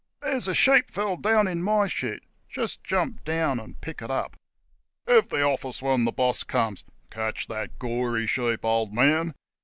1 There's a sheep fell clown in my shoot just jump down and pick it up.' 1 Give the office when the boss comes.' ' Catch that gory sheep, old man.'